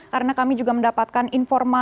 karena kami juga mendapatkan informasi